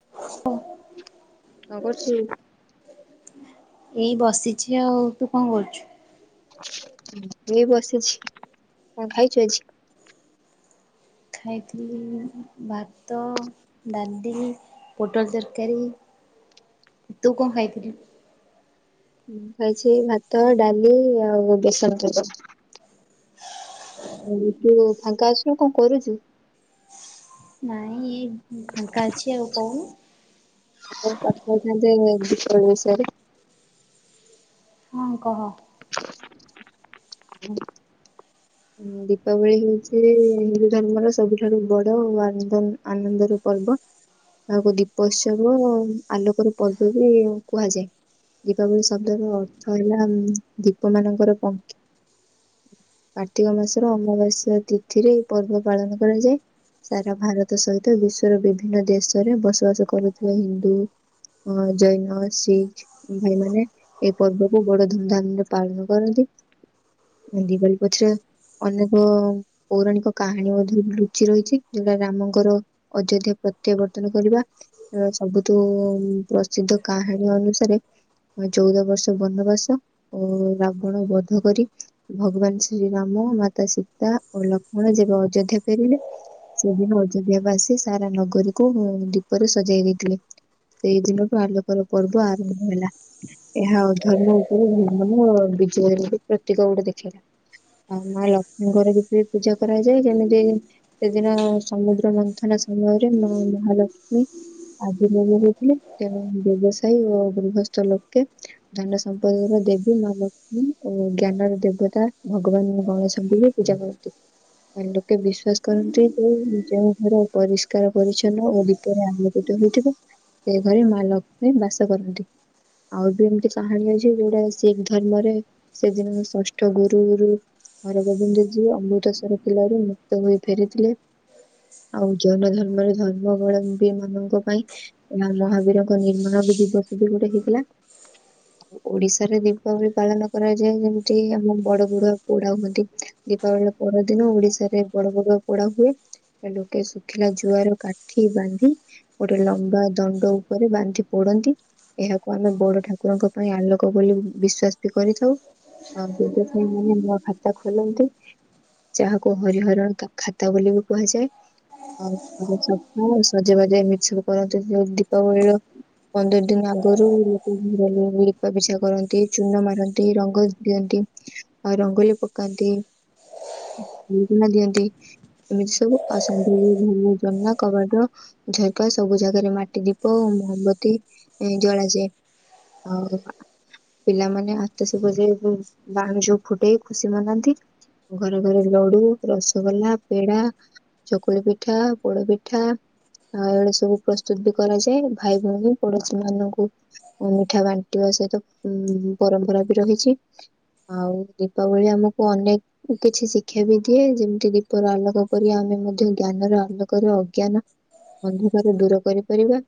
ହ [inaudible] କଣ କରଚୁ? ଏଇ ବସିଚି ଆଉ। ତୁ କଣ କରୁଛୁ? ମୁଁ ବସିଛି। କଣ ଖାଇଛ? ଖାଇଥିଲି ଭାତ, ଡାଲି ପୋଟଳ ତରକାରୀ ତୁ କଣ ଖାଇଥିଲୁ? ମୁଁ ଖାଇଛି ଭାତ ଡାଲି ଆଉ ବେସର। [unintelligible] ତୁ ଫାଙ୍କା ଅଛୁ ନା କଣ କରୁଚୁ? ନାଇଁ ଏ ଫାଙ୍କା ଅଛି ଆଉ କହୁନୁ। ହୋ କଥା ହେଇଥାନ୍ତେ ଦୀପାବଳୀ ବିଷୟରେ। ହଁ କହ। ହଁ। [inaudible] ଦୀପାବଳି ହେଉଚି ହିନ୍ଦୁ ଧର୍ମର ସବୁଠାରୁ ବଡ ଓ ଆନନ୍ଦ ଆନନ୍ଦର ପର୍ବ। ଆଉ ଦୀପଉତ୍ସବ ଆଲୋକର ପର୍ବ ବି କୁହାଯାଏ। ଦୀପାବଳି ଶବ୍ଦର ଅର୍ଥ ହେଲା ଦୀପ ମାନଙ୍କର ପନ୍ କାର୍ତ୍ତିକ ମାସର ଅମାବାସ୍ୟା ତିଥିରେ ପର୍ବ ପାଳନ କରାଯାଏ। ସାରା ଭାରତ ସହିତ ବିଶ୍ଵର ବିଭିନ୍ନ ଦେଶରେ ବସବାସ କରୁଥିବା ହିନ୍ଦୁ ଅ ଜୈନ ଶିଖ ଭାଇ ମାନେ ଏଇ ପର୍ବକୁ ବଡ ଧୁମଧାମ ରେ ପାଳନ କରନ୍ତି। [unintelligible] ଅନେକ ପୌରାଣିକ କାହାଣୀ ମଧ୍ୟ ଲୁଚି ରହିଛି ଯଉଟା ରାମଙ୍କର ଅଯୋଧ୍ୟ୍ୟା ପ୍ରତ୍ୟାବର୍ତ୍ତନ କରିବା। ଓ ସବୁଠୁ ପ୍ରସିଦ୍ଧ କାହାଣୀ ଅନୁସାରେ ଚଉଦ ବର୍ଷ ବନବାସ ଓ ରାବଣ ବଧ କରି ଭଗବାନ ଶ୍ରୀରାମ ମ ମାତା ସୀତା ଓ ଲକ୍ଷ୍ମଣ ଯେବେ ଅଯୋଧ୍ୟା ଫେରିଲେ ସେଦିନ ଅଯୋଧ୍ୟା ବାସି ସାରା ନଗରୀକୁ ଦୀପରେ ସଜେଇ ଦେଇଥିଲେ। ସେଇ ଦିନରୁ ଆଲୋକର ପର୍ବ ଆରମ୍ଭ ହେଲା। ଏହା ଅଧର୍ମ ଉପରୁ [unintelligible] ବିଜୟ ର ପ୍ରତୀକ ଗୋଟେ ଦେଖେଇଲା। ଆଉ ମହାଲକ୍ଷ୍ମୀଙ୍କର ବି ପୂଜା କରାଯାଏ ଯେମିତି ସେଦିନ ସମୁଦ୍ର ମନ୍ଥନ ସମୟରେ ମା ମହାଲକ୍ଷ୍ମୀ ଆର୍ବିଭାବ ହୋଇଥିଲେ ତେଣୁ ବ୍ୟବସାୟୀ ଓ ଗୃହସ୍ଥ ଲୋକେ ଧନ ସମ୍ପଦ ର ଦେବୀ ମା ଲକ୍ଷ୍ମୀ ଓ ଜ୍ଞାନର ଦେବତା ଭଗବାନ ଗଣେଶଙ୍କୁ ବି ପୂଜା କରନ୍ତି। ଆଉ ଲୋକେ ବିଶ୍ଵାସ କରନ୍ତି ଯୋଉ ଯେଉଁ ଘର ପରିଷ୍କାର ପରିଚ୍ଛନ୍ନ ଓ ବି ଦିପରେ ଆଲୋକିତ ହେଉଥିବ ସେ ଘରେ ମା ଲକ୍ଷ୍ମୀ ବାସ କରନ୍ତି। ଆଉ ବି ଏମିତି କାହାଣୀ ଅଛି ଯୋଉଟା ଶିଖ ଧର୍ମରେ ସେଦିନ ଷଷ୍ଠ ଗୁରୁ ଗୁରୁ ହରଗୋବିନ୍ଦ ଯିଏ ଅମୃତସର କିଲାରୁ ମୁକ୍ତ ହୋଇ ଫେରିଥିଲେ। ଆଉ ଜୈନ ଧର୍ମରେ ଧର୍ମବଳମ୍ବୀ ମାନଙ୍କ ପାଇଁ ମା ମହାବୀରଙ୍କ ନିର୍ମାଣ ବି ଦିବସ ବି ଗୋଟେ ହେଇଥିଲା। ଓଡିଶାରେ ଦୀପାବଳି ପାଳନ କରାଯାଏ ଯେମିତି ଆମ ବଡ ବୁଡୁଆ ପୋଡା ହୁଅନ୍ତି ଦୀପାବଳିର ପରଦିନ ଓଡିଶାରେ ବଡ ବଦୁଆ ପୋଡା ହୁଏ। ଲୋକେ ଶୁଖିଲା ଜୁଆର କାଠି ବାନ୍ଧି ଗୋଟେ ଲମ୍ବା ଦଣ୍ଡ ଉପରେ ବାନ୍ଧି ପୋଡନ୍ତି। ଏହାକୁ ଆମେ ବଡ ଠାକୁରଙ୍କ ପାଇଁ ଆଲୋକ ବୋଲି ବିଶ୍ଵାସ ବି କରିଥାଉ ଅପ୍ ବୋଲ ହେଇମାନେ ନୂଆ ଖାତା ଖୋଲନ୍ତି। ଯାହାକୁ ହରିହରଣ ତା ଖାତା ବୋଲି ବି କୁହାଯାଏ। ହଉ ସ ସଜେବାଜେ ମିିକସବ କରନ୍ତିୁ ଯ ଦୀପାବଳି ର। ପନ୍ଦର ଦିନ ଆଗରୁ ଲୋକ [unintelligible] ଲିପା ପିଛା କରନ୍ତି ଚୂନ ମାରନ୍ତି ରଙ୍ଗ ଦିଅନ୍ତି। ଆଉ ରଙ୍ଗୋଲି ପକାନ୍ତି ବୁଗୁନା ଦିଅନ୍ତି। ଏମିତି ସବୁ [unintelligible] କବାଟ। ଝରକା ସବୁ ଜାଗାରେ ମାଟି ଦୀପ ମୋହବତୀ ଜଳାଯାଏ। ଆଉ ପିଲାମାନେ ଆତ ସୁଭ ଯାଏ ବାଣ ଯୋଉ ଫୁଟେଇ ଖୁସି ମନାନ୍ତି। ଘରେ ଘରେ ଲଡୁ, ରସଗୋଲା, ପେଡା ଚକୁଳି ପିଠା ପୋଡ ପିଠା ଆଉ ଏଇଡ ସବୁ ପ୍ରସ୍ତୁତ ବି କରାଯାଏ ଭାଇ ଭଉଣୀ ପଡୋଶୀ ମାନଙ୍କୁ ମିଠା ବାଣ୍ଟିବା ସହିତ ଉ ପରମ୍ପରା ବି ରହିଛି। ଆଉ ଦୀପାବଳି ଆମକୁ ଅନେକ କିଛି ଶିକ୍ଷା ବି ଦିଏ ଯେମିତି ଦୀପର ଆଲୋକ କରି ଆମେ ମଧ୍ୟ ଜ୍ଞାନର ଆଲୋକରେ ଅଜ୍ଞାନ ଅନ୍ଧକାର ଦୂର କରିପାରିବା।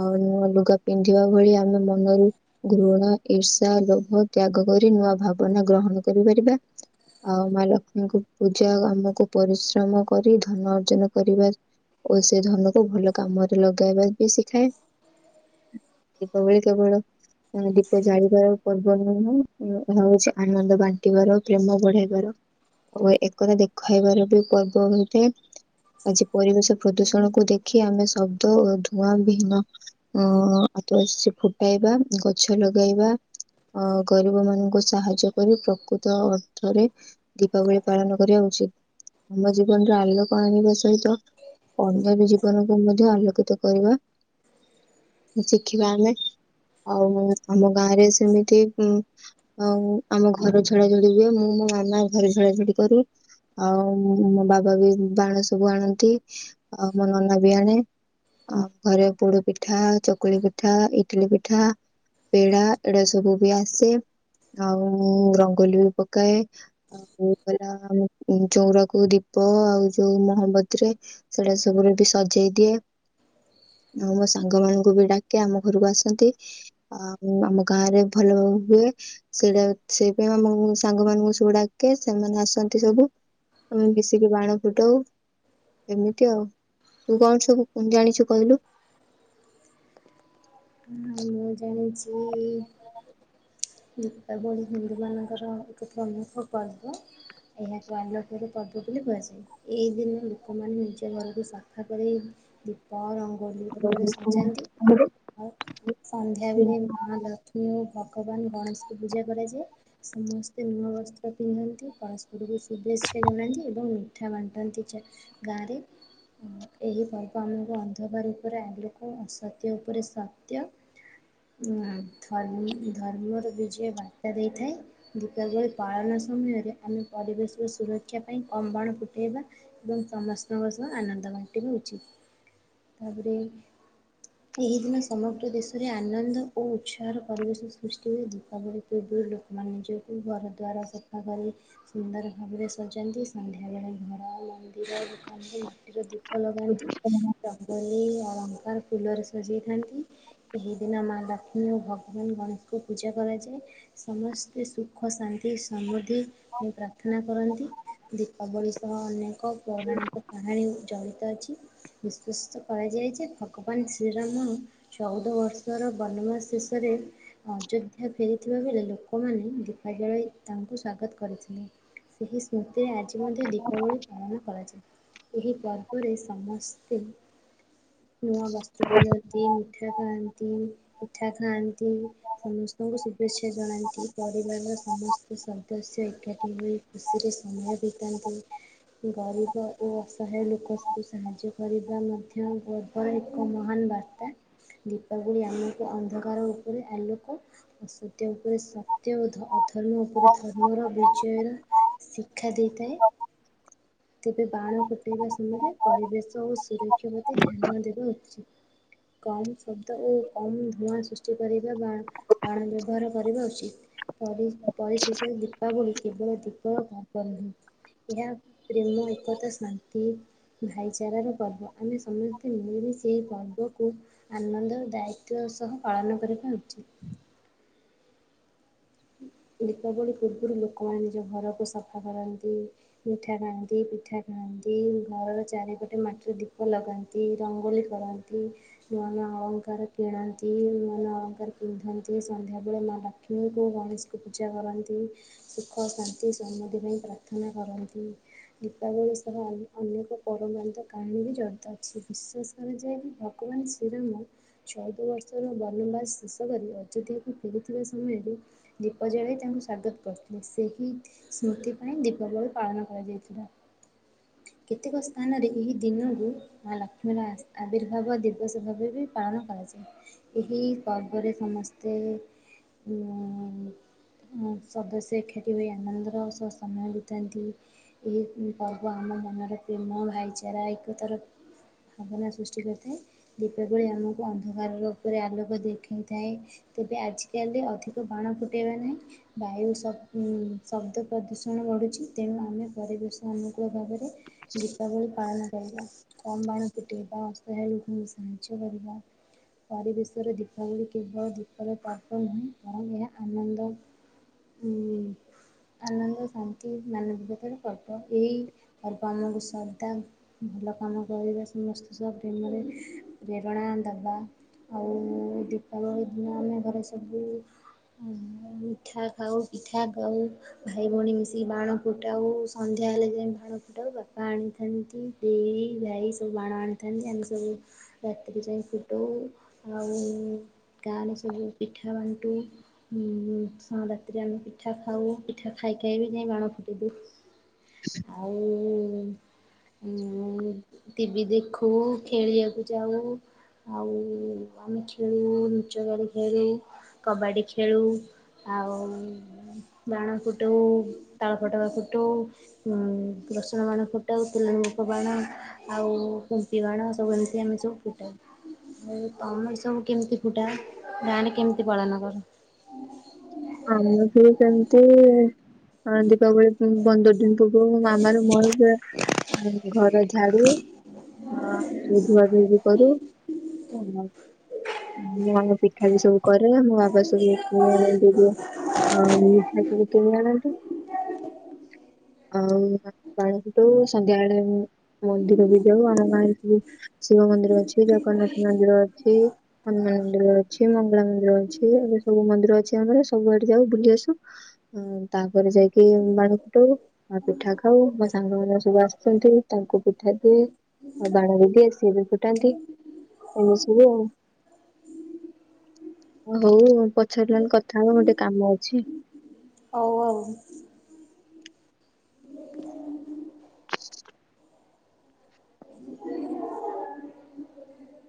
ଆଉ ନୂଆ ଲୁଗା ପିନ୍ଧିବା ଭଳି ଆମେ ମନରୁ ଘୃଣ ଈର୍ଷା ଲୋଭ ତ୍ୟାଗ କରି ନୂଆ ଭାବନା ଗ୍ରହଣ କରିପାରିବା। ଆଉ ମା ଲକ୍ଷ୍ମୀଙ୍କୁ ପୂଜା ଆମକୁ ପରିଶ୍ରମ କରି ଧନ ଅର୍ଜନ କରିବା ଓ ସେ ଧନକୁୁ ଭଲ କାମରେ ଲଗେଇବା ବି ଶିଖାଏ। ଦୀପାବଳି କେବଳ ଦୀପ ଜାଳିବାର ପର୍ବ ନୁହଁ ଏହାଉଛି ଆନନ୍ଦ ବାଣ୍ଟିବାର ପ୍ରେମ ବଢେଇବାର ଓ ଏକତା ଦେଖାଇବାର ବି ପର୍ବ ହୋଇଥାଏ ଆଜି ପରିବେଶ ପ୍ରଦୂଷଣକୁୁ ଦେଖି ଆମେ ଶବ୍ଦ ଓ ଧୂଆଁ ବିହୀନ ଅ ଆତ ସେ ଫୁଟାଇବା ଗଛ ଲଗେଇବା ଅ ଗରିବ ମାନଙ୍କ ସାହାଯ୍ୟ କରି ପ୍ରକୃତ ଅର୍ଥରେ ଦୀପାବଳି ପାଳନ କରିବା ଉଚିତ। ଆମ ଜୀବନରେ ଆଲୋକ ଆଣିବା ସହିତ ଅନ୍ୟ ବି ଜୀବନକୁ ମଧ୍ୟ ଆଲୋକିତ କରିବା ଶିଖିବା ଆମେ ଆଉ ଆମ ଗାଁରେ ସେମିତି ଉ ଆଉ ଆମ ଘର ଝଡଝଡି ବି ହୁଏ ମୁଁ ମୋ ମାମା ଘରେ ଝଡାଝଡି କରୁ ଆଉ ମୋ ବାବା ବି ବାଣ ସବୁ ଆଣନ୍ତି ଆଉ ମୋ ନନା ବି ଆଣେ। ଆ ଘରେ ପୋଡ ପିଠା, ଚକୁଳି ପିଠା, ଇଟଲି, ପିଠା ପେଡା ଏଡା ସବୁ ବି ଆସେ ଆଉ ମୁଁ ରଙ୍ଗୋଲି ବି ପକାଏ। ଆଉ ଗଲାମ ଚଉରାକୁ ଦୀପ ଆଉ ଯୋଉ ମୋହମ୍ ଵତିରେ ସେଇଟା ସବୁରେ ଏମତି ସଜେଇ ଦିଏ। ମୁଁ ମୋ ସାଙ୍ଗ ମାନଙ୍କୁ ବି ଡାକେ ଆମ ଘରକୁ ଆସନ୍ତି। ଆଉ ଆମ ଗାଁ ରେ ଭଲ ହୁଏ। ସେଇଟା ସେଇପାଇକା ମୁଁ ସାଙ୍ଗ ମାନଙ୍କୁ ସବୁ ଡାକେ ସେମାନେ ଆସନ୍ତି ସବୁ। ଆମେ ମିଶିକି ବାଣ ଫୁଟାଉ। ଏମିତି ଆଉ ତୁ କଣ ସବୁ ଜାଣିଛୁ କହିଲୁ? ହଁ ମୁଁ ଜାଣିଛି [unintelligible] ଏହାକୁ ଆଲୋକର ପର୍ବ ବୋଲି କୁହାଯାଏ। ଏଇ ଦିନ ଲୋକମାନେ ନିଜ ଘରକୁ ସଫା କରି ଦୀପ ରଙ୍ଗୋଲି ଫୁଲରେ ସଜାନ୍ତି। ସନ୍ଧ୍ୟା ବେଳେ ମା ଲକ୍ଷ୍ମୀ ଓ ଭଗବାନ ଗଣେଶଙ୍କୁ ପୂଜା କରାଯାଏ। ସମସ୍ତେ ନୂଆ ବସ୍ତ୍ର ପିନ୍ଧନ୍ତି ପରସ୍ପରକୁ ଶୁଭେଚ୍ଛା ଜଣାନ୍ତି ଏବଂ ମିଠା ବାଣ୍ଟନ୍ତି। ଗାଁରେ ଏହି ପର୍ବ ଆମକୁ ଅନ୍ଧକାର ଉପରେ ଆଲୋକ ଅସତ୍ୟ ଉପରେ ସତ୍ୟ ଧର୍ମ ଧର୍ମର ବିଜୟ ବାର୍ତ୍ତା ଦେଇଥାଏ। ଦୀପାବଳି ପାଳନ ସମୟରେ ଆମେ ପରିବେଶର ସୁରକ୍ଷା ପାଇଁ କମ ବାଣ ଫୁଟାଇବା। ଏବଂ ସମସ୍ତଙ୍କ ସହ ଆନନ୍ଦ ବାଣ୍ଟି ର ଉଚିତ। ତାପରେ ଏଇ ଦିନ ସମଗ୍ର ଦେଶରେ ଆନନ୍ଦ ଓ ଉତ୍ସାହର ପରିବେଶ ସୃଷ୍ଟି ହୁଏ ଦୀପାବଳି ପୂର୍ବରୁ ଲୋ ସେମାନେ ନିଜକୁ ଘର ଦ୍ୱାର ସଫା କରି ସୁନ୍ଦର ଭାବରେ ସଜାନ୍ତି ସନ୍ଧ୍ୟାବେଳେ ଘର [inaudible] ମାଟିର ଦୀପ ଲଗାନ୍ତି। ଜଙ୍ଗଲରେ ଅଳଙ୍କାର ଫୁଲରେ ସଜେଇଥାନ୍ତି। ଏହିଦିନ ମା ଲକ୍ଷ୍ମୀ ଓ ଭଗବାନ ଗଣେଶଙ୍କୁ ପୂଜା କରାଯାଏ। ସମସ୍ତେ ସୁଖ ଶାନ୍ତି ସମୃଦ୍ଧି ପ୍ରାର୍ଥନା କରନ୍ତି ଦୀପାବଳି ସହ ଅନେକ ପୌରାଣିକ କାହାଣୀ ଜଡ଼ିତ ଅଛି ନିସ୍ପେସିତ କରାଯାଏ ଯେ ଭଗବାନ ଶ୍ରୀରାମ ଚଉଦ ବର୍ଷର ବନମାସ ଶେଷରେ ଅଯୋଧ୍ୟା ଫେରିଥିବା ବେଳେ ଲୋକମାନେ ଦୀପା ଜଳାଇ ତାଙ୍କୁ ସ୍ୱାଗତ କରିଥିଲେ। ସେହି ସ୍ମୃତିରେ ଆଜି ମଧ୍ୟ ଦୀପାବଳି ପାଳନ କରାଯାଏ। ଏହି ପର୍ବରେ ସମସ୍ତେ ନୂଆ ବସ୍ତ୍ର ପିନ୍ଧନ୍ତି। ପିଠା ଖାଆନ୍ତି ପିଠା ଖାଆନ୍ତି। ସମସ୍ତଙ୍କୁ ଶୁଭେଚ୍ଛା ଜଣାନ୍ତି ପରିବାରର ସମସ୍ତ ସଦସ୍ୟ ଏକାଠି ହୋଇ ଖୁସିରେ ସମୟ ବିତାନ୍ତି। ଗରିବ ଓ ଅସହାୟ ଲୋକ ସୁ ସାହାଯ୍ୟ କରିବା ମଧ୍ୟ ବ ର ଏକ ମହାନ ବାର୍ତ୍ତା ଦୀପାବଳି ଆମକୁ ଅନ୍ଧକାର ଉପରେ ଆଲୋକ ଅସତ୍ୟ ଉପରେ ସତ୍ୟ ଓ ଅଧର୍ମ ଉପରେ ଧର୍ମର ବିଜୟର ଶିକ୍ଷା ଦେଇଥାଏ। ତେବେ ବାଣ ଫୁଟାଇବା ସମୟରେ ପରିବେଶ ଓ ସୁରକ୍ଷା ପ୍ରତି ଧ୍ୟାନ ଦେବା ଉଚିତ୍। କମ୍ ଶବ୍ଦ ଓ କମ୍ ଧୂଆଁ ସୃଷ୍ଟି କରିବା ବାଣ ବାଣ ବ୍ୟବହାର କରିବା ଉଚିତ। ପରି ପରିଶେଷରେ ଦୀପାବଳି କେବଳ ଦୀପ ଓ [inaudible] ଏହା ପ୍ରେମ ଏକତା ଶାନ୍ତି ଭାଇଚାରାର ପର୍ବ ଆମେ ସମସ୍ତେ ମିଳିମିସି ସେହି ପର୍ବ କୁ ଆନନ୍ଦ ଓ ଦାୟିତ୍ୱର ସହ ପାଳନ କରିବା ଉଚିତ୍। ଦୀପାବଳି ପୂର୍ବରୁ ଲୋକମାନେ ନିଜ ଘରକୁ ସଫା କରନ୍ତି। ମିଠା ଖାଆନ୍ତି ପିଠା ଖାଆନ୍ତି ଘରର ଚାରିପଟେ ମାଟିର ଦୀପ ଲଗାନ୍ତି। ଦି ରଙ୍ଗୋଲି କରନ୍ତି। ନୂଆ ନୂଆ ଅଳଙ୍କାର କିଣନ୍ତି ନୂଆ ନୂଆ ଅଳଙ୍କାର ପିନ୍ଧନ୍ତି ସନ୍ଧ୍ୟାବେଳେ ମା ଲକ୍ଷ୍ମୀ ମୋ ଗଣେଶକୁ ପୂଜା କରନ୍ତି ସୁଖ ଶାନ୍ତି ସମୃଦ୍ଧି ପାଇଁ ପ୍ରାର୍ଥନା କରନ୍ତି। ଦୀପାବଳି ସହ ଅନେକ ପରମାତ କାହାଣୀ ବି ଜଡ଼ିତ। କିଛି ବିଶ୍ୱାସ କରାଯାଏ ବି ଭଗବାନ ଶ୍ରୀରାମ ଛଉଦ ବର୍ଷର ବନବାସ ଶେଷ କରି ଅଯୋଧ୍ୟାକୁ ଫେରିଥିବା ସମୟରେ ଦୀପ ଜଳାଇ ତାଙ୍କୁ ସ୍ୱାଗତ କରିଥିଲେ ସେହି ସ୍ମୃତି ପାଇଁ ଦୀପାବଳି ପାଳନ କରାଯାଇଥିଲା। କେତେକ ସ୍ଥାନରେ ଏହି ଦିନକୁ ମା ଲକ୍ଷ୍ମୀର ଆବିର୍ଭାବ ଦିବସ ଭାବେ ବି ପାଳନ କରାଯାଏ। ଏହି ପର୍ବରେ ସମସ୍ତେ ଉ ସଦସ୍ୟ ଏକାଠି ହୋଇ ଆନନ୍ଦର ସହ ସମୟ ବିତାନ୍ତି। ଏହି ପର୍ବ ଆମ ମନର ପ୍ରେମ ଭାଇଚାରା ଏକତାର ଭାବନା ସୃଷ୍ଟି କରିଥାଏ। ଦୀପାବଳି ଆମକୁ ଅନ୍ଧକାରର ଉପରେ ଆଲୋକ ଦେଖାଇଥାଏ ତେବେ ଆଜିକାଲି ଅଧିକ ବାଣ ଫୁଟାଇବା ନାହିଁ। ବାୟୁ ଶ ଶବ୍ଦ ପ୍ରଦୂଷଣ ବଢ଼ୁଛି, ତେଣୁ ଆମେ ପରିବେଶ ଅନୁକୂଳ ଭାବରେ ଦୀପାବଳି ପାଳନ କରିବା। କମ୍ ବାଣ ଫୁଟେଇବା, ଅସହାୟ ଲୋକଙ୍କୁ ସାହାଯ୍ୟ କରିବା। ପରିବେଶରେ ଦୀପାବଳି କେବଳ ଦୀପର ପର୍ବ ନୁହେଁ ବରଂ ଏହା ଆନନ୍ଦ ହୁଁ। ଆନନ୍ଦ ଶାନ୍ତି ମାନବିକତାର ପର୍ବ ଏହି ପର୍ବ ଆମକୁ ଶ୍ରଦ୍ଧା ଭଲ କାମ କରିବା ସମସ୍ତଙ୍କ ସହ ପ୍ରେମରେ ପ୍ରେରଣା ଦବା। ଆଉ ଦୀପାବଳି ଦିନ ଆମେ ଘରେ ସବୁ ମିଠା ଖାଉ ପିଠା ଖାଉ ଭାଇ ଭଉଣୀ ମିଶି କି ବାଣ ଫୁଟାଉ, ସନ୍ଧ୍ୟା ହେଲେ ଯାଇ ବାଣ ଫୁଟାଉ ବା ବା ଆଣିଥାନ୍ତି। ଦେଇ, ଭାଇ ସବୁ ବାଣ ଆଣିଥାନ୍ତି। ଆମେ ସବୁ ରାତିରେ ଯାଇ ଫୁଟୋଉ, ଆଉ ଗାଁରେ ସବୁ ପିଠା ବାଣ୍ଟୁ। ଉଁ ସ ରାତିରେ ଆମେ ପିଠା ଖାଉ, ପିଠା ଖାଇ ଖାଇ ବି ଯାଇ ବାଣ ଫୁଟେଇଦେଉ। [inaudible] ଆଉ ମଁ ଟିଭିି ଦେଖୁ, ଖେଳିବାକୁ ଯାଉ ଆଉ ଆମେ ଖେଳୁ ଲୁଚକାଳି ଖେଳୁ, କବାଡ଼ି ଖେଳୁ ଆଉ ବାଣ ଫୁଟୋଉ, ତାଳ ଫଟକା ଫୁଟୋଉ ଉଁ ରସଣ ବାଣ ଫୁଟାଉ ତେଲ ଲୋକ ବାଣ ଆଉ କୁମ୍ପି ବାଣ ସବୁ ଏମିତି ଆମେ ସବୁ ଫୁଟାଉ। ଏ ତମର ସବୁ କେମିତି ଫୁଟା? ଗାଁରେ କେମିତି ପାଳନ କର? ଆମର ଭି ସେମିତି ଆଁ ଦୀପାବଳି ପନ୍ଦର ଦିନ ଉ ମୋ ମାମାର ମୋର ପୁରା ଘର ଝାଡୁ ହଁ ସବୁ ଧୁଆ ଧୁଇ ବି କରୁ। ଓ ମୁଁ ଆ ପିଠା ବି ସବୁ କରେ, ମୋ ବାପ ସବୁ ଘିଅ ବଳି ଆଉ ତୁ କୋଉ ବାଣ ଆଣିଚୁ? ଆଉ ବାଣ ଫୁଟୋଉ, ସନ୍ଧ୍ୟାବେଳେ ମନ୍ଦିର ବି ଯାଉ, ଆମ ଗାଁ ରେ ସବୁ ଶିବ ମନ୍ଦିର ଅଛି, ଜଗନ୍ନାଥ ମନ୍ଦିର ଅଛି ହନୁମାନ ମନ୍ଦିର ଅଛି, ମଙ୍ଗଳା ମନ୍ଦିର ଅଛି। ଏବେ ସବୁ ମନ୍ଦିର ଅଛି ଆମର ସବୁଆଡେ ଯାଉ ବୁଲି ଆସୁ, ତାପରେ ଯାଇକି ବାଣଫୁଟୋଉ। ଆଉ ପିଠା ଖାଉ, ମୋ ସାଙ୍ଗମାନେ ସବୁ ଆସୁଛନ୍ତି ତାଙ୍କୁ ପିଠା ଦିଏ। ଆଉ ବାଣ ବି ଦିଏ ସିଏବି ଫୁଟାନ୍ତି। ଏମିତି ସବୁ ଆଉ ହଉ ପଛରେ ନହେଲେ କଥା ହବା ମୋର ଟିକେ କାମ ଅଛି। ହଉ ଆଉ। [inaudible]